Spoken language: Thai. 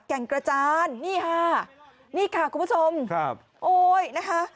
แก่งกระจานนี่ค่ะนี่ค่ะคุณผู้ชมครับโอ้ยนะคะ